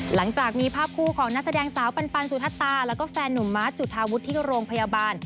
หลังจากมีภาพคู่ของนักแสดงสาวปันสุธตาแล้วก็แฟนหนุ่มมาร์ทจุธาวุฒิที่โรงพยาบาล